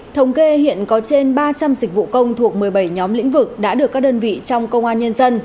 thống kê hiện có trên ba trăm linh dịch vụ công thuộc một mươi bảy nhóm lĩnh vực đã được các đơn vị trong công an nhân dân